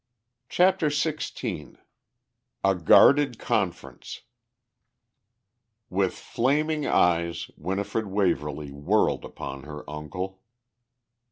CHAPTER XVI A GUARDED CONFERENCE With flaming eyes Winifred Waverly whirled upon her uncle.